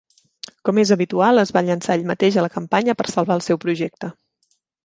Com és habitual, es va llançar ell mateix a la campanya per salvar el seu projecte.